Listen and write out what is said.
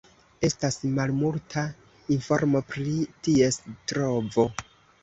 Estas malmulta informo pri ties trovo.